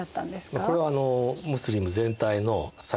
これはムスリム全体の最高指導者ですね。